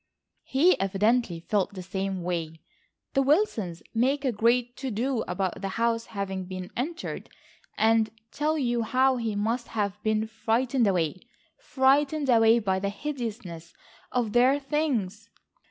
He evidently felt the same way. The Wilsons make a great to do about the house having been entered, and tell you how he must have been frightened away,—frightened away by the hideousness of their things!